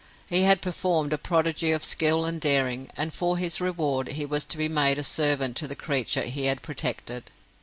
He had performed a prodigy of skill and daring, and for his reward he was to be made a servant to the creatures he had protected.